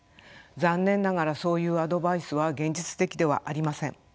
残念ながらそういうアドバイスは現実的ではありません。